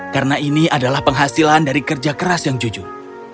karena ini adalah penghasilan dari kerja keras yang jujur